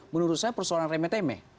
menurut saya persoalan remeh temeh